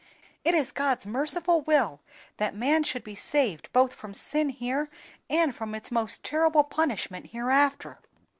It is God's merciful will that man should be saved both from sin here, and from its most terrible punishment hereafter."